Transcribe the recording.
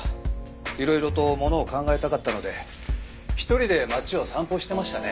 いろいろとものを考えたかったので１人で街を散歩してましたね。